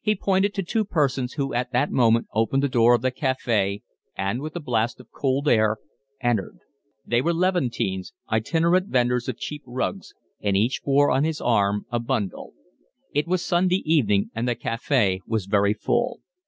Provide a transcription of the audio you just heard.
He pointed to two persons who at that moment opened the door of the cafe, and, with a blast of cold air, entered. They were Levantines, itinerant vendors of cheap rugs, and each bore on his arm a bundle. It was Sunday evening, and the cafe was very full.